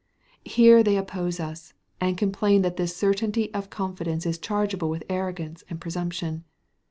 Here they oppose us, and complain that this certainty of confidence is chargeable with arrogance and presumption.